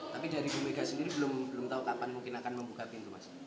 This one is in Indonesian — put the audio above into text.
tapi dari bu mega sendiri belum tahu kapan mungkin akan membuka pintu mas